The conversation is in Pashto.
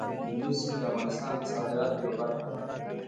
کندز سیند د افغانستان د صادراتو یوه برخه ده.